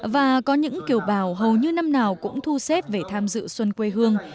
và có những kiều bào hầu như năm nào cũng thu xếp về tham dự xuân quê hương